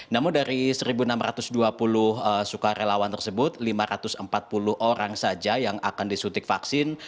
namun dari satu enam ratus dua puluh sukarelawan tersebut lima ratus empat puluh orang saja yang akan disuntik vaksin